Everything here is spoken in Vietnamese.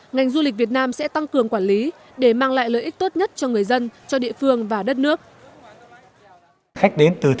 ngành du lịch việt nam sẽ tăng cường quản lý để mang lại lợi ích tốt nhất cho người dân cho địa phương và đất nước